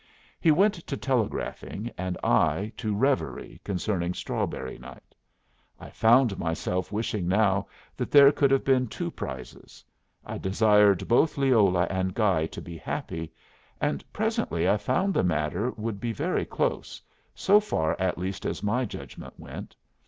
He went to telegraphing, and I to revery concerning strawberry night. I found myself wishing now that there could have been two prizes; I desired both Leola and Guy to be happy; and presently I found the matter would be very close, so far at least as my judgment went.